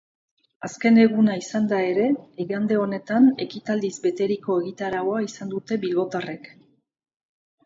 Azken eguna izanda ere, igande honetan ekitaldiz beteriko egitaraua izan dute bilbotarrek.